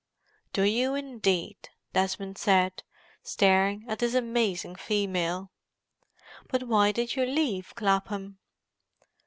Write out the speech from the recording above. "Do you, indeed?" Desmond said, staring at this amazing female. "But why did you leave Clapham?"